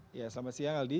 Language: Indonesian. selamat siang aldi